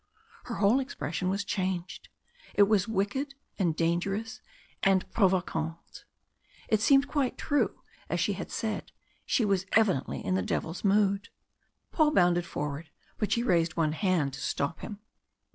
Her whole expression was changed; it was wicked and dangerous and provocante. It seemed quite true, as she had said she was evidently in the devil's mood. Paul bounded forward, but she raised one hand to stop him.